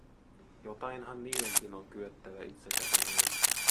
Jotainhan niidenkin on kyettävä itse tekemään.